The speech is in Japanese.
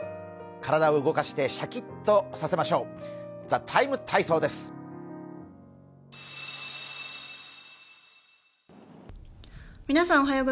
体を動かしてシャキッとさせましょう。